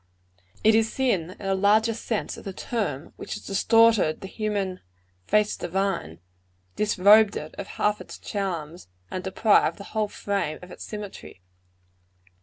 It is sin, in the largest sense of the term, which has distorted the human "face divine," disrobed it of half its charms; and deprived the whole frame of its symmetry.